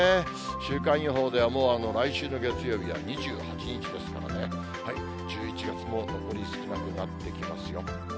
週間予報ではもう、来週の月曜日は２８日ですからね、１１月も残り少なくなってきますよ。